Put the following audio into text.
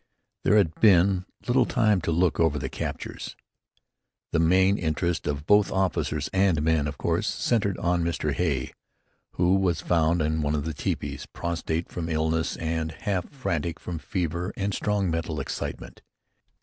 There had been little time to look over the captures. The main interest of both officers and men, of course, centred in Mr. Hay, who was found in one of the tepees, prostrate from illness and half frantic from fever and strong mental excitement.